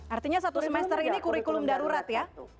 artinya satu semester ini kurikulum darurat ya